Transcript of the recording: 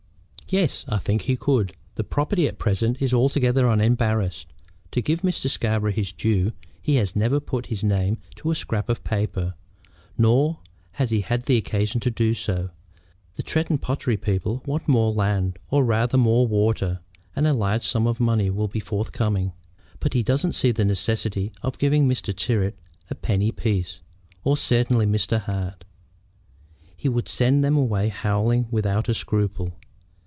"Yes, I think he could. The property at present is altogether unembarrassed. To give Mr. Scarborough his due, he has never put his name to a scrap of paper; nor has he had occasion to do so. The Tretton pottery people want more land, or rather more water, and a large sum of money will be forthcoming. But he doesn't see the necessity of giving Mr. Tyrrwhit a penny piece, or certainly Mr. Hart. He would send them away howling without a scruple.